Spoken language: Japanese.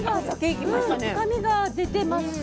深みが出てます。